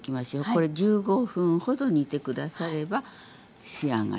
これ１５分ほど煮て下されば仕上がりですね。